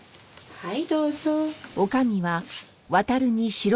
はい？